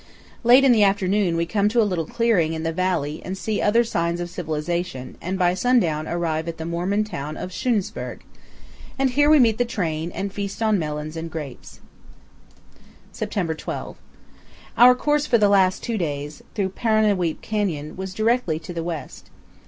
295 Late in the afternoon we come to a little clearing in the valley and see other signs of civilization and by sundown arrive at the Mormon town powell canyons 184.jpg ENTRANCE TO PARU'NUWEAP. of Schunesburg; and here we meet the train, and feast on melons and grapes. September 12. Our course for the last two days, through Paru'nuweap Canyon, was directly to the west.